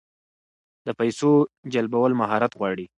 د پیسو جلبول مهارت غواړي.